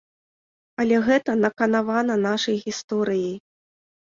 Але гэта наканавана нашай гісторыяй.